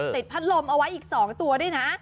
ติดพัดลมเอาไว้อีก๒ตัวด้วยนะ